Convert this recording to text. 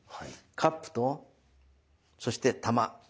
カップとそして玉。